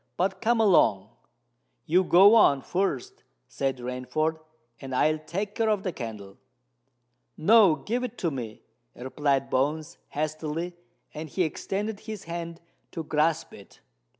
"But come along." "You go on first," said Rainford; "and I'll take care of the candle." "No—give it to me," replied Bones hastily; and he extended his hand to grasp it.